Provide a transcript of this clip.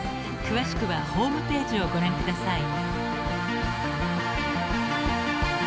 ［詳しくはホームページをご覧ください］